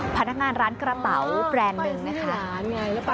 พนักงานร้านกระเป๋าแบรนด์หนึ่งนะคะ